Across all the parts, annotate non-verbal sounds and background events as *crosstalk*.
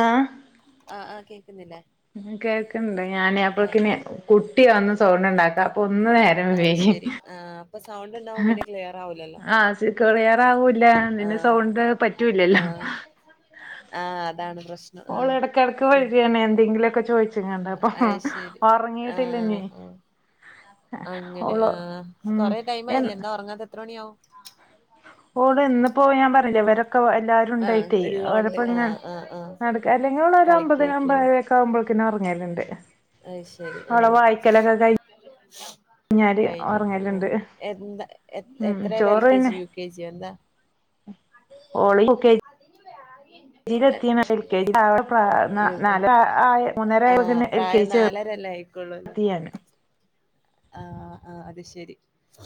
ആഹ് ആഹ് ആഹ് കേക്കുന്നില്ലേ? കേൾക്ക്ണ്ട്. ഞാന് ആഹ് അപ്പോൾക്കിനെ ആഹ് പ്പിന്നെ കുട്ടി വന്ന് സൗണ്ടുണ്ടാക്ക. അപ്പൊ ഒന്ന് നേരം അത് വൈകി. ശരി ആഹ് അപ്പൊ സൗണ്ട് ണ്ടാവുമ്പോ പിന്നെ ക്ലിയറാവൂലല്ലോ. ആഹ് സി ക്ലിയർ ആവൂല്ല നിന്റെ ആഹ് സൗണ്ട് പറ്റൂലല്ലോ ആഹ് ആഹ് അതാണ് പ്രശ്ന ഓള് എടക്കെടക്ക് വരിയാണ്. എന്തെങ്കിലൊക്കെ ചോദിച്ചു. പിന്നെന്താപ്പൊ. അത് ശരി ഉറങ്ങീട്ടില്ല ആഹ് ഞ്ഞീ. ആഹ് അങ്ങനെ ആഹ്. ഉം കൊറെ എ ടൈംമായില്ലെ എന്താ ഉറങ്ങാത്ത. എത്ര മണിയാവും. ഓള് ഇന്നിപ്പോ ഞാൻ പറഞ്ഞില്ലേ. ഇവരൊക്കെ എല്ലാരും ആഹ് ണ്ടായിട്ടേ. ഇള്ളോണ്ട് അവരപ്പോ ഇങ്ങ ആഹ് ആഹ് ആഹ് നടക്കാ ല്ലെങ്കി ഓളോരു ഒമ്പതിന് കളിക്കേക്കുല്ലേ ഒമ്പതായിര ഒക്കെ ആകുമ്പോ ഒറങ്ങലുണ്ട്. അയ് ശരി. ആഹ് കഴിഞ്ഞാല് കയിഞ്ഞിട്ട്. ഉറങ്ങലുണ്ട് എന്താ എ ഉം എത്രേലാ. എൽ ചോറ് കെ പിന്നെ ജി, യു കെ ജി യൊ എന്താ? ഓള് യു കെ ഇനി വേ ആഗി ജി എതീണ്. ശെരിക്ക് എൽ കെ ജി ആവേണ്ട പ്രായ. യു കെ നാലേര മൂന്നര ആയപ്പോ തന്നെ എൽ കെ ജി ചേർ വേറെ ലൈഫ്. ക്കുള്ളുല്ലെ. ആഹ് ആഹ് അത് ശരി.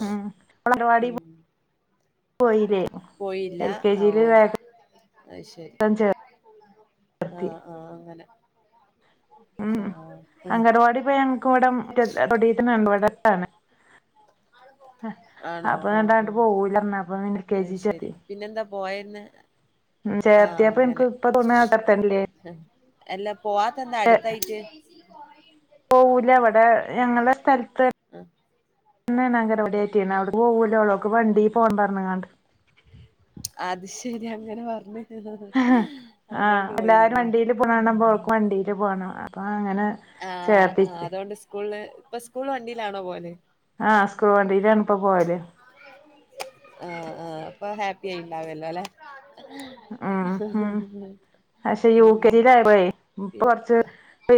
ഉം അംഗനവാടി ഉം പോയില്ലേ പോയില്ല. എൽ കെ ജിയില് ഓഹ് വേഗം അയ് ശെരി. വർക്ക് ആഹ് അങ്ങനെ. ഉം ആഹ് അംഗവാടിപ്പോ ഞങ്ങക്ക് വടെ തൊടീതന്നെ ഇവടാണ്. അഹ് അപ്പോ ണ്ടാണ്ട് പോവൂല്ല. ന്നാ അയ്ശരി. പിന്നെന്താ പോയന്ന്. ഉം ചേർത്തിയപ്പൊ എനിക്ക് ഇപ്പോ തോന്നി അടുത്തുതന്നെയല്ലേ. ഹ് എല്ലാ പോവാത്ത എന്താ അടുത്തായിട്ട്. പോകൂല്ല. അവിടെ ഞങ്ങളുടെ സ്ഥലത്ത് ആ, തന്നെയാണ് അംഗനവാടി. പിന്നെ അവിടെ പോകൂല്ല. അവൾക്ക് വണ്ടി പോവാൻ പറഞ്ഞാണ്ട്. അത് ശരി. അങ്ങനെ പറഞ്ഞു. ആഹ് എല്ലാരും വണ്ടില് പോണ് കാണുമ്പോൾ ഓക് വണ്ടിൽ പോണം. അപ്പോ അങ്ങനെ- ആഹ് ചേർത്തി ആഹ് അതുണ്ട് സ്കൂള് ഇപ്പോ സ്കൂള് വണ്ടിയിലാണോ പോവല്. ആഹ് സ്കൂൾ വണ്ടിയിലാണ് ഇപ്പോ പോവല്. ആഹ് ആഹ് അപ്പോ ഹാപ്പി ആയിട്ടുണ്ടാവല്ലൊ. ലേ ആഹ് ആഹ് പക്ഷേ യു ഉം കെ ജിയിൽ ആയപ്പോഴെ പി ഇപ്പൊ കൊറച്ച്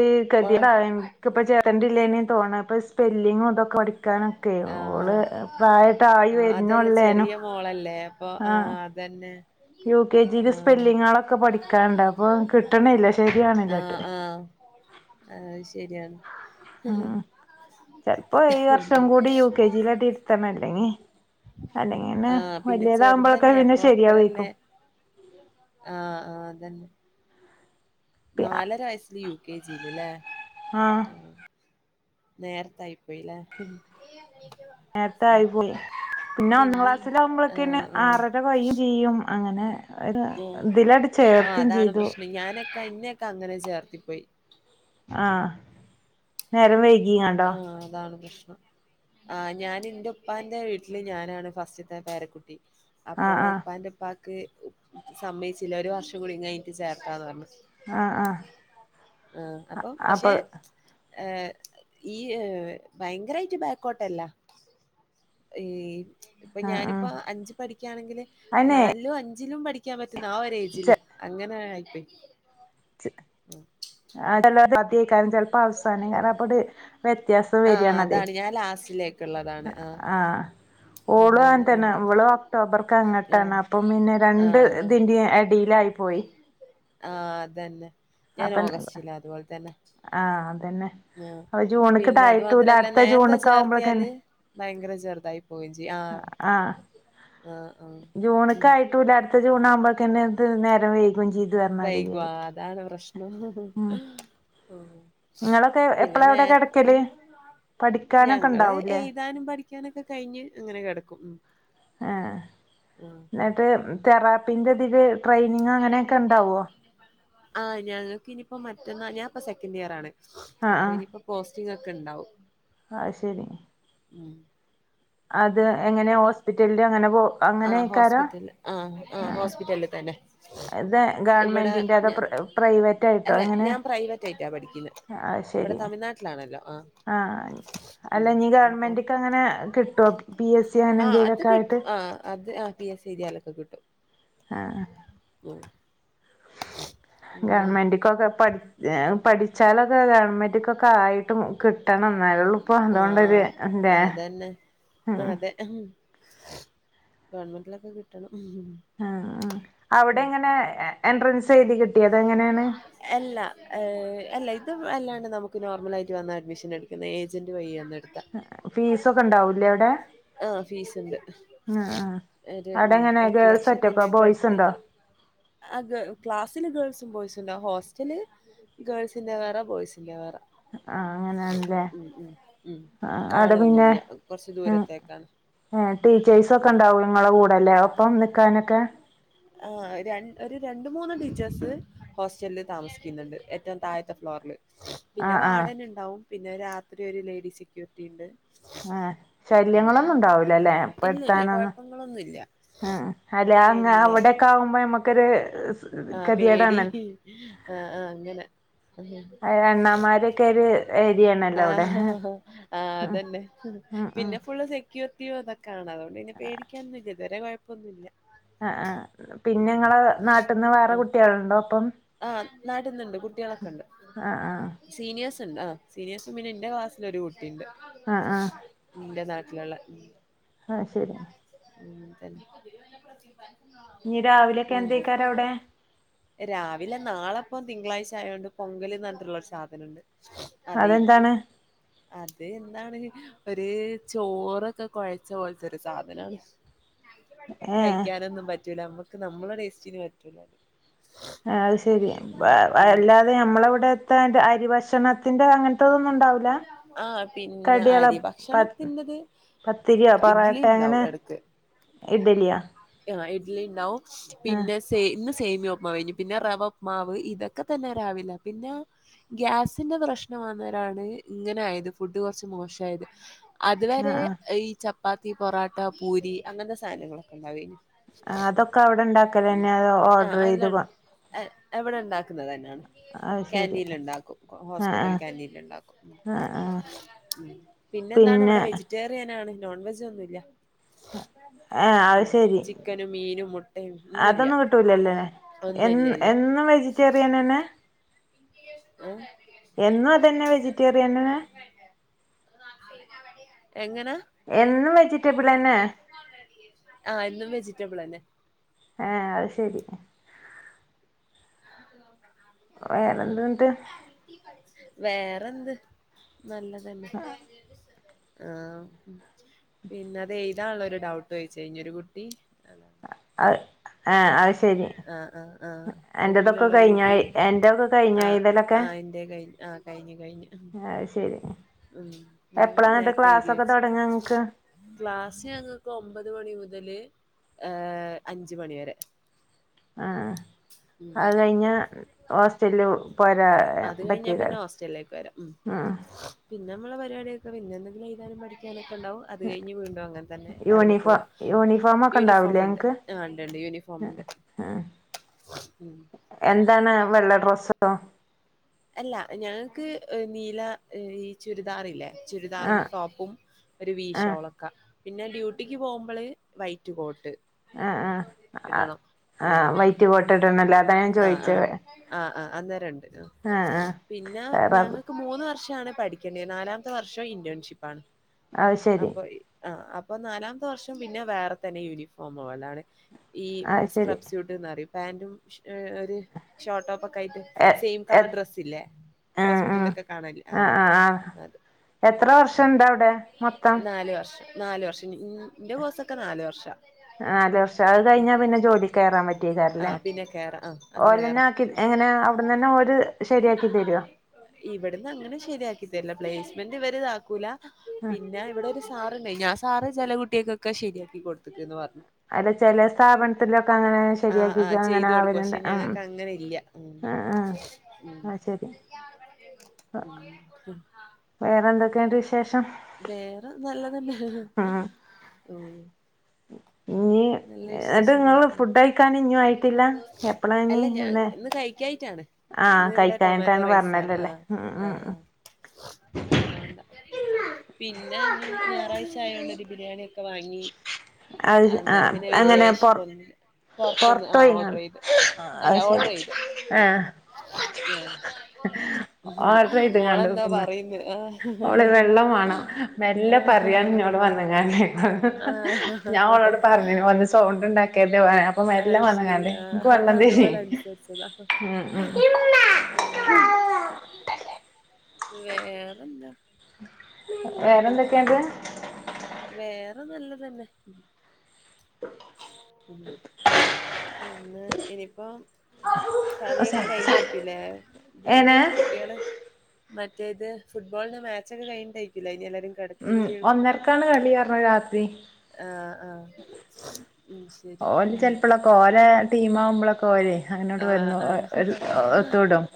ഈ ഗതി ആഹ് ടായി. ഇപ്പ ചേർത്തണ്ടില്ലേന തോന്നാ. ഇപ്പോ സ്പെല്ലിങ്ങും തൊ- കൊടുക്കാനൊക്കെ ഓള് ആഹ് പ്രായം ട്ടായി ആഹ് അതല്ലേ വരനെള്ളേനും. ചെറിയ മോളല്ലേ അപ്പോ ആഹ് അതന്നെ. യു കെ ജില് ആഹ് സ്പെല്ലിങ്ങുകളൊക്കെ പഠിക്കാനുണ്ട്. അപ്പോ കിട്ടണില്ല. ശരിയാകുന്നില്ല ആഹ് അങ്ങോട്ട്. ആഹ് ശരിയാണ്.. ചിലപ്പോ ഈ വർഷം കൂടി യു കെ ജി ൽ തന്നെ ഇരുത്തണം. അല്ലെങ്കി- അല്ലെങ്കിൽ പിന്നെ ആഹ് പിന്നെ വലിയതാകുമ്പോഴൊക്കെ ചെറുതല്ലേ പിന്നെ അപ്പൊ അത്രല്ലേ ശരിയാവുരിക്കും. ആഹ് ആഹ് അതന്നെ നാലര വയസിൽ യു കെ ജിലിലല്ലേ ആഹ് നേരത്തയിപ്പോയില്ലേ. നേരത്തെ ആയി പോയി പിന്നെ ഒന്ന് ക്ലാസ്സിലാവകുമ്പോക്കെന്നെ ആഹ് ആഹ് ആറര കഴിയും ചെയ്യും. അങ്ങനെ ഉം ഇതിൽ അങ്ങ്ട് ചേർത്തിം ചെയ്തു. ഇന്നൊക്കെ അങ്ങനെ ചേർത്ത്‌ പോയി. ആഹ് നേരം വൈകി ങ്ങാണ്ടോ. ആഹ് അതാണ് പ്രശ്നം. ആഹ് ഞാൻ ഇന്റെ ഉപ്പാന്റെ വീട്ടില് ഞാനാണ് ഫസ്റ്റത്തെ പേരക്കുട്ടി. അപ്പോ ആഹ് ആഹ് ഉപ്പാന്റെ ഉപ്പാക്ക് സമ്മയിച്ചില്ല ഒരു വർഷം കൂടി കഴിഞ്ഞിട്ട് ചേർക്കാന്ന് പറഞ്ഞു. ആഹ് ആഹ് ആഹ് അപ്പോ അപ്പൊ പക്ഷേ. ഏഹ് ഈ ഭയങ്കരമായിട്ട് ബാക്കോട്ട് അല്ല. ഏഹ് ഇപ്പോ ആഹ് ആഹ് ഞാനിപ്പോ അഞ്ച് പഠിക്കയാണെങ്കില് അയിനെ നാലിലും അഞ്ചിലും പഠി- പഠിക്കാൻ പറ്റുന്ന ആ ഒരു ഏജിൽ ചെ അങ്ങനെ ആയി പോയി. *unintelligible* അവസാനം ക അപ്പട് വ്യത്യാസം ആഹ് വരെയാണ് അതെയ് അതാണ് ഞാൻ ലാസ്റ്റിലേക്കുള്ളതാണ് ആഹ് ഓളും അതാണ് അങ്ങനെ ഉം തന്നെ ഇവളും ഒക്ടോബറിക്ക് അങ്ങട്ടാണ് ആഹ് അപ്പോ പിന്നെ രണ്ട് ആഹ് ഇതിന്റെ ഇടയ്ലായി. പോയി. ആഹ് അതന്നെ ഞാൻ അപ്പം ഓഗസ്റ്റലിൽ അതുപോലെ തന്നെ. ആഹ് അതന്നെ. ആഹ് അപ്പൊ പിന്നെ അതു ജൂണക്ക്ടായിട്ടൂല്ല മാത്രല്ല അടുത്ത നേരത്തെ ജൂണക്ക് ചേർത്തിയാല് ആവുമ്പോഴക്കന്നെ ഭയങ്കര ചെറുതായി പോവുകയും ചെയ്യും. ആഹ് ആഹ് ആഹ് ആഹ് ഉം ഉണക്ക് ആയിട്ടില്ല അടുത്ത ജൂണ് ആകുമ്പോക്ക്‌നും നേരം വൈകും ചെയ്യും. വൈകും ആഹ് അതാണ് പ്രശ്നം. ഉം നിങ്ങളൊക്കെ പിന്നെ എപ്പളാ അവിടെ നേരത്തെ കിടക്കല് പഠിക്കാനൊക്കെ ഞങ്ങള് ഉണ്ടാവൂല്ലേ എഴുതാനും പഠി പഠിക്കാനൊക്കെ കഴിഞ്ഞ് അങ്ങനെ കിടക്കും. ആഹ് ആഹ് എന്നിട്ട് തെറാപ്പിന്റെ ഇതില് ട്രെയിനിങ് അങ്ങനെയൊക്കെ ഉണ്ടാവുവോ. ആഹ് ഞങ്ങക്ക് ഇനിയിപ്പോ മറ്റന്നാ ഞാൻ ഇപ്പ സെക്കൻഡ് ഇയർ ആണ് ആഹ് അപ്പൊ ഇനിപ്പ പോസ്റ്റിംഗക്കെ ഇണ്ടാവും ആഹ് ശരി ഉം അത് എങ്ങനെ ഹോസ്പിറ്റലില് അങ്ങനെ പോ ആഹ് അങ്ങനെക്കാരോ ഹോസ്പിറ്റല് ആഹ് ആഹ് ഹോസ്പിറ്റല തന്നെ ഇത ഇവിടെ ഗവൺമെന്റിന്റെ അതോ പ്ര പ്രൈവറ്റ് ആയിട്ടോ അല്ല എങ്ങനെ ഞാൻ പ്രൈവറ്റ് ആയിട്ടാ പഠിക്കുന്നത് അഹ്ശരി ഇവിടെ തമഴ്നാട്ടിലാണല്ലോ ആഹ് ആഹ് അല്ല നീ ഗവൺമെന്റ്ക്ക് അങ്ങനെ കിട്ടുവോ പി എസ് സി അങ്ങനെ ആ അത് എന്തെങ്കിലുമൊക്കെ കിട്ടും ആയിട്ട് ആ അത് ആഹ് പി എസ് സി എഴതിയാലൊക്കെ കിട്ടും ആഹ് ഉം ഉ *unintelligible* ഗവൺമെന്റക്കൊക്കെ പഠ പഠിച്ചാലൊക്കെ ഗവൺമെന്റക്കൊക്കെ ആയിട്ടു കിട്ടും പെട്ടണം എന്നാലേള്ളൂ ഇപ്പ ആ അതുകൊണ്ടൊരു എന്താ ഉം ഉം ഗവൺമെന്റിലൊക്കെ കിട്ടണം ആഹ് ആഹ് അവിടെ എങ്ങനെ എൻട്രൻസ് എഴുതി കിട്ടിയ അതോ എങ്ങനെയാണ് അല്ല അല്ല ഇതും എല്ലാണ്ട് നമുക്ക് നോർമൽ ആയിട്ട് വന്നൽ അഡ്മിഷൻ എടുക്കുന്നത് ഏജന്റ് വയി വന്ന എടുത്താ ഫീസ് ഒക്കെ ഉണ്ടാവൂലേ അവിടെ ആഹ് ഫീസ് ഉണ്ട് ആ ആ ഒരു അവിടെ ഉം എങ്ങനെ എട്ട് ഗേൾസ് ഒറ്റക്കോ ലക്ഷത്തിന്റെ ഒക്കെ ബോയ്സ് ഉണ്ടോ അടുത്ത് ആഹ് ക്ലാസ്സില് ഗേൾസും ബോയ്സുംണ്ട ഹോസ്റ്റല് ഗേൾസിന്റെ വേറെ ബോയ്സിന്റെ വേറെ ആഹ് അങ്ങനെയാണല്ലേ ഉം ഉം ഉം ആഹ് അവിടെ പിന്നെ കാണൊന്നുല്ല കൊറച്ച് ഉം ദൂരത്തേക്കാണ് ഏഹ് ടീച്ചേഴ്സ് ഒക്കെ ഉം ഉണ്ടാവും നിങ്ങളുടെ കൂടെല്ലേ ഒപ്പം നിക്കാനൊക്കെ ആഹ് ര ഒരു രണ്ട് മൂന്ന് ടീച്ചേഴ്സ് ഹോസ്റ്റലിൽ താമസിക്കുന്നുണ്ട് ഏറ്റവും താഴത്തെ ഫ്ലോറില് ആ പിന്നെ ആ വാർടൻ ഉണ്ടാവും പിന്നെ രാത്രി ഒരു ലേഡീസ് സെക്യൂരിറ്റി ഉണ്ട് ആഹ് ഇല്ലല്ല കുഴപ്പങ്ങളൊന്നുംല്ല ഉഉം അല്ലെ അങ് അവിടെൊക്കെ ആകുമ്പോ നമ്മുക്കൊരു ആഹ് പേടി ഗതിയേടാണല്ലോ ആഹ് ആഹ് അങ്ങനെ അണ്ണാമാരൊക്കെ ഒരു ഏരിയയാണല്ലോ അവിടെ ആഹ് ആഹ് അതന്നെ *unintelligible* പിന്നെ ഫള് സെക്യൂരിറ്റിയോ അതൊക്കെയാണ് അതുകൊണ്ട് തന്നെ പേടിക്കാൻ ഒന്നും ഇതുവരെ കുഴപ്പൊന്നുമല്ല ആഹ് ആഹ് പിന്നെ ങ്ങളെ നാട്ടിൽന്ന് വേറെ കുട്ടികളുണ്ടോ അപ്പം ആഹ് നാട്ടന്നുണ്ട് കുട്ടികളൊക്കെണ്ട് ആ ആ സീനിയേഴ്സ് ഉണ്ട് ആഹ് സീനിയേഴ്സ് ഉം എന്റെ ക്ലാസ്സിൽ ഒരു കുട്ടിയുണ്ട് ആ ആ നിന്റെ നാട്ടിലുള്ള ആഹ് ശരി *unintelligible* ഇനി രാവിലെയൊക്കെ പിന്നെ എന്തയ്ക്കാരം അവിടെ രാവിലെ നാളെപ്പം തിങ്കളാഴ്ച ആയൊണ്ട് പൊങ്കല്ന്ന്ഞ്ഞിട്ടുള്ളൊ ഒരു സാധനം ഉണ്ട് അതെയ്രിക്കും അതെന്താണ് അത് എന്താണ് ഒരു ചോറൊക്കെ കുഴച്ച പോലത്തെരു സാധനമാണ് ഏഹ് കഴിക്കാനൊന്നും പറ്റൂല നമ്മുക്ക് നമ്മളെ ടേസ്റ്റിന് പറ്റൂല ആഹ് അത് ശരി ഉം അല്ലാതെ നമ്മളെ ഇവിടെത്ത അരി ഭക്ഷണത്തിന്റെ അങ്ങനെ ആഹ് പിന്നെ കടികള അരി പ ഭക്ഷണംത്തിന്ന് പത്തിരിയോ പൊറാട്ട അങ്ങനെ ഇഡലിയാ ആഹ് ഇഡ്ലി ഉണ്ടാവും പിന്നെ സേ ഇന്ന് സേമിയ ഉപ്പുമാവ് കഴിഞ്ഞു പിന്നെ റവഉപ്പുമാവ് ഇതൊക്കെ തന്നെ രാവിലെ പിന്നെ ഗ്യാസിന്റെ പ്രശ് വന്നേരാണ് ഇങ്ങനെയായത് ഫുഡ് കുറച്ച് മോശയത് ആഹ് അതുവരെ ആഹ് ഈ ചപ്പാത്തി പൊറോട്ട പൂരി അങ്ങനത്തെ സാധനങ്ങളൊക്കെ ഉണ്ടാവു ആഹ് അതൊക്കെ അവിടെ ഉണ്ടാക്കലന്നെ അതോ ഓർഡർ ആഹ് അല്ല ചെയ്ത് കൊ എവിടെ ഉണ്ടാക്കുന്നത് തന്നെയാണ് അത് ശരി കാന്റീനിൽ ആഹ് ഉണ്ടാക്കും ഹോസ് ആഹ് കേന്റീനിൽ ഉണ്ടാക്കും ആഹ് ആഹ് പിന്നെ എന്താണ് ഇവിടെ വ വെജറ്റേറിയനാണ്ണ് നോൺ വെജ് ഒന്നുല്ല ഏഹ് അത് ശരി ചിക്കനും മീനും മുട്ടയും ഒന്നുല്ല അതൊന്നും കിട്ടൂലല്ലേ എ എന്നും വെജിറ്റേറിയൻ തന്നെ ഉം വെജിറ്റേറിയനെന്നെ എങ്ങനെ എന്നും വെജിറ്റബിള് തന്നെ ആഹ് എന്നും വെജിറ്റബിള് തന്നെ ഏഹ് അത് ശരി വേറെ എന്തുണ്ട് വേറെന്ത് നല്ലതന്നെ ആഹ് പിന്നെത് എഴുതാുള്ളരു ഡൗട്ട് ചോച്ച് ഒരു കുട്ടി അതാ അയ് ആഹ് അയ് ശരി ആഹ് ആഹ് ആഹ് എന്റതൊക്കെ റൂമിലുള്ളരു കഴിഞ്ഞോ കുട്ടി എന്റെതൊക്കെ കഴിഞ്ഞോ ആഹ് എഴുതലൊക്കെ ആഹ് എന്റെ ക ആഹ് കഴിഞ്ഞു കഴിഞ്ഞു അത് ശരി ഉം ഞാൻ എപ്പളാന്നിട്ട് നേരത്തെ എഴുതി ക്ലാസ്സൊക്കെ വെച്ച് തൊടങ്ങാ ഇങ്ങക്ക് ക്ലാസ് ഞങ്ങൾക്ക് ഒമ്പത് മണി മുതല് ഏഹ് അഞ്ച് മണി വരെ ആഹ് അത് കഴിഞ്ഞ ഹോസ്റ്റലില് പോരാ അത് കഴിഞ്ഞാ പറ്റീതാ പിന്നെ ഹോസ്റ്റലിലേക്ക് വരാം ഉം ആഹ് പിന്നെ നമ്മളെ പാടിയൊക്കെ പിന്നെ എന്തെങ്കിലും എഴുതാനും പഠിക്കാനൊക്കെ ഉണ്ടാവും അത് കഴിഞ്ഞ് വീണ്ടും അങ്ങനെ തന്നെ രാവിലെ യൂണിഫോം പോവുക യൂണിഫോം ഒക്കെ ഉണ്ടാവൂലേ യൂണിഫോമുണ്ട് ആഹ് ഇണ്ട് ഇണ്ട് യൂണിഫോമ് ഇണ്ട് ആഹ് ഉം എന്താണ് വെള്ള ഡ്രസ്സോ അല്ല ഞങ്ങൾക്ക് നീല ഈ ചുരിദാറല്ലേ ചുരിദാറും ആഹ് ടോപ്പും ഒരു ആഹ് വീശോളക്ക പിന്നെ ഡ്യൂട്ടിക്ക് പോകുമ്പോള് വൈറ്റ് കോട്ട് ആഹ് ആഹ് ഇടണം ആ ആഹ് വൈറ്റ് കോട്ട് ഇടനല്ല അതാ ഞാൻ ചോയിച്ചെ ആഹ് ആഹ് അന്നേരം ഉണ്ട് പിന്നെ ആഹ് റബ് ഞങ്ങൾക്ക് മൂന്ന് വർഷമാണ് പഠി നാലാമത്തെ വർഷം ഇന്റേൺഷിപ്പ് ആണ് അത് ശരി അപ്പൊ ആഹ് അപ്പൊ നാലാമത്തെ വർഷം പിന്നെ വേറെ തന്നെ യൂണിഫോമോ അല്ലാതെ ഈ അത് ശരി സ്ക്രബ് സൂട്ട് *unintelligible* പാൻ്റും ഒരു ഷോർട്ട് ടോപ് ഒക്കെ ആയിട്ട് എ സെയി എ കളർ ഡ്രസ് ഇല്ലേ ആഹ് ആഹ് ഹോസ്പിറ്റലിലൊക്കെ കാണല്ലേ ആഹ് അത് എത്ര വർഷം ഇണ്ട് അവിടെ മൊത്തം നാല് വർഷം നാല് വർഷം ഇൻ്റെ കോഴ്സൊക്കെ നാല് വർഷാ നാല് വർഷം അത് കഴിഞ്ഞാ പിന്നെ ജോലി കയറാൻ ആ പറ്റയ്ക്കാരല്ലേ പിന്നെ കേറാ ആ അങ്ങനെ ഓലന്നെ ആക്കി എങ്ങനെ അവിടുന്ന് തന്നെ ഒരു ഇവിടന്ന് അങ്ങനെ ശരിയാക്കി തരില പ്ലേസ്മെന്റ് ഇവരെ ഇതാക്കൂല ആഹ് പിന്നെ ഇവിടെ ഒരു സാറുണ്ട് ആ സാറ് ചില കുട്ടിയക്കൊക്കെ ശെരിയാക്കി കൊടുത്ത്ക്ക് പറഞ്ഞു അല്ല ചില സ്ഥാപനത്തിലൊക്കെ അങ്ങനെ ആഹ് ശരിയാക്കിക്ക ആഹ് അങ്ങനെ ചെയ്തു കൊടുക്കും പക്ഷെ ആവലുണ്ട് ഉം ഞങ്ങൾക്ക് അങ്ങനെ ഇല്ല ഉം ആഹ് ആഹ് ഉം അത് ശരി ഉം വേറെന്തൊക്കെയുണ്ട് വിശേഷം വേറെ നല്ലതന്നെ ഉം ഉം ഇനി നല്ല എന്നിട്ട് വിശേഷങ്ങൾ നിങ്ങള് ഒക്കെ തന്നെ ഫുഡ് കഴിക്കാൻ ഇഞ്ഞും ആയിട്ടില്ല എപ്പളാ ഇനി അല്ല ഞാൻ ഇന്ന് കഴി കായിട്ടാണ് ആഹ് ഇന്ന് ഇവിടെ ടൊമാറ്റോ കഴിക്കാഞ്ഞിട്ടാണ് റൈസ് ആണ് പറഞ്ഞല്ലോല്ലേ ആഹ് ഉം ഉം ആഹ് ഉം ആഹ് അതുകൊണ്ടാ പിന്നെ ഇന്ന് ഞായറാഴ്ച ആയോണ്ട് ഒരു ബിരിയാണി ഒക്കെ വാങ്ങി അത് അന്നേരം ആഹ് പിന്നെ വല്യ അങ്ങനെ പൊർ വെശപ്പൊന്നില്ല പൊർത്ത്ന്ന് ആഹ് പൊർത്തോയിങ്ങാണ് ഓർഡറെയ്ത് അല്ല അത് ശരി ഓർഡറെയ്ത് അഹ് ആഹ് അഹ് ആഹ് ഓർഡർ ചെയ്ത്ങ്ങാണ്ട് മോളെന്നാ വന്ന് പറയന്നെ ആഹ് ഓള് വെള്ളം വാണം മെല്ലെ പറയാണ് ഇന്നോട് വന്ന്ങ്ങാണ്ട് ആഹ് ആഹ് അങ്ങനെ പറഞ്ഞ് സൗണ്ടൊണ്ടാക്കിയതാ അത് ശെരി ആഹ് അതാ അതുപോലെ അനുസരിച്ചതാ ഉം ഉം ആഹ് വേറെന്താ വേറെന്താ ഉം വേറെ നല്ലതന്നെ ഉം പിന്നെ ഇനീപ്പ പണിയക്കെ കഴിഞ്ഞാരിക്കൂല്ലേ ഇത് ഏനെ കുട്ട് കുട്ടികള് മറ്റേത് ഫുട്ബോളിന്റെ മാച്ചൊക്കെ കഴിഞ്ഞിട്ടായിരിക്കുംല്ലേ ഇനി എല്ലാരും കെട ഉം ഒന്നരക്കാണ് കളി പറഞ്ഞെ രാത്രി ആഹ് ആഹ് ഉം ശെ ഓല് ചെലപ്പളൊക്കെ ഒരേ ടീംമാവുമ്പോളൊക്കെ വര്വെ അങ്ങനിവ്ടെ ആഹ് വന്നു ഓഹ് ആഹ് ഒരു *unintelligible*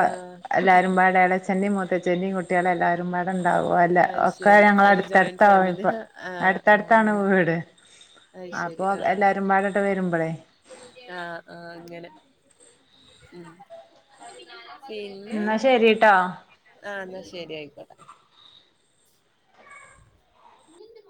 ഓഹ് ആഹ് എല്ലാരുംപാടെ എളയച്ഛന്റേം മുത്തച്ഛന്റേം കുട്ടികളെല്ലാ രുംമ്പാട്ണ്ടാവും അല്ല അത് ഒക്കെ ശരി ഒരു ജോയിന്റ് ഞങ്ങളടുത്തടുത്താവും ഫാമിലി ഇപ്പ ആഹ് ആഹ് അടുത്തടുത്താണ് അങ്ങനെ വീട് അത് ശരി അപ്പൊ ആഹ് എല്ലാരുംമ്പാടട്ട് വരുമ്പളേ ആഹ് ആഹ് അങ്ങനെ ഉം പിന്നെ എന്നാ ശരിട്ടോ ആഹ് അന്നാ ശെരി ആയിക്കോട്ടെ അതിനെന്ത്